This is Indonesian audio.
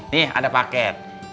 nih ada paket